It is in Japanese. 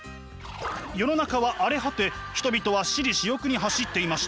世の中は荒れ果て人々は私利私欲に走っていました。